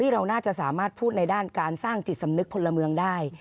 เราน่าจะสามารถพูดในด้านการสร้างจิตสำนึกพลเมืองได้